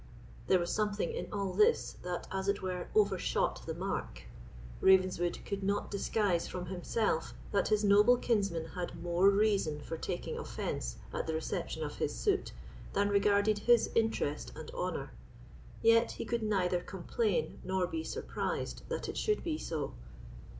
There was something in all this that, as it were, overshot the mark. Ravenswood could not disguise from himself that his noble kinsman had more reasons for taking offence at the reception of his suit than regarded his interest and honour, yet he could neither complain nor be surprised that it should be so.